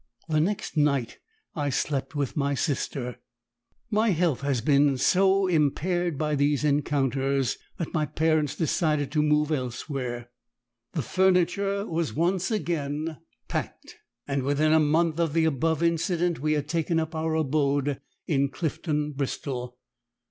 The next night I slept with my sister. My health had been so impaired by these encounters, that my parents decided to move elsewhere; the furniture was once again packed, and within a month of the above incident we had taken up our abode in Clifton, Bristol.